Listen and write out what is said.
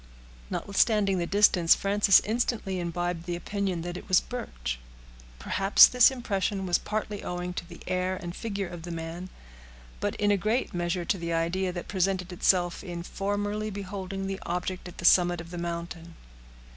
Notwithstanding the distance, Frances instantly imbibed the opinion that it was Birch. Perhaps this impression was partly owing to the air and figure of the man, but in a great measure to the idea that presented itself on formerly beholding the object at the summit of the mountain.